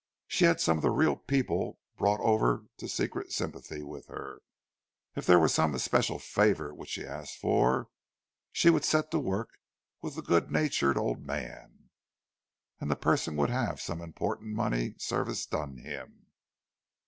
She had some of the real people bought over to secret sympathy with her; if there was some especial favour which she asked for, she would set to work with the good natured old man, and the person would have some important money service done him.